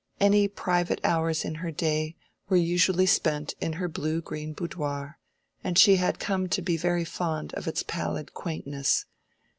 Any private hours in her day were usually spent in her blue green boudoir, and she had come to be very fond of its pallid quaintness.